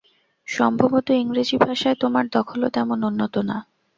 সম্ভবত ইংরেজি ভাষায় তোমার দখলও তেমন উন্নত না।